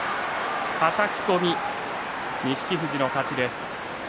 はたき込み、錦富士の勝ちです。